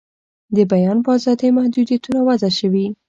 د بیان په آزادۍ محدویتونه وضع شوي.